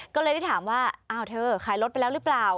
ก็เลยได้ถามว่าอ้าวเธอขายรถไปแล้วหรือเปล่า